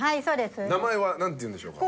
名前はなんていうんでしょうか？